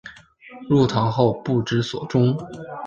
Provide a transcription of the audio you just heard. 入唐后不知所终。